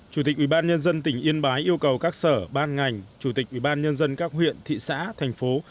chủ tịch ubnd tỉnh yên bái yêu cầu các sở ban ngành chủ tịch ubnd các huyện thị xã thành phố